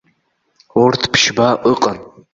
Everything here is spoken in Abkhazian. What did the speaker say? Урҭ ԥшьба ыҟан.